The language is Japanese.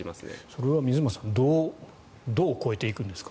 それは水町さんどう超えていくんですか？